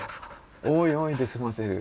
「おいおい」で済ませる。